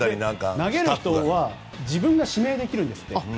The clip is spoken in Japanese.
投げる人は自分が指名できるんですって。